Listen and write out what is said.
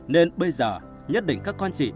nên bây giờ nhất định các con chị